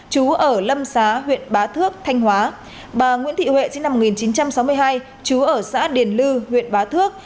chú ở lâm xá huyện bá thước thanh hóa bà nguyễn thị huệ sinh năm một nghìn chín trăm sáu mươi hai chú ở xã điền lư huyện bá thước